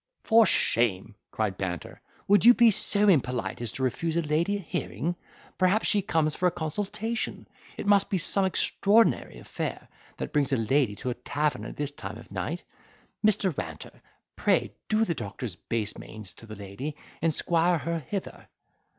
"For shame!" cried Banter; "would you be so impolite as to refuse a lady a hearing? perhaps she comes for a consultation. It must be some extraordinary affair that brings a lady to a tavern at this time of night. Mr. Ranter, pray do the doctor's base mains to the lady, and squire her hither."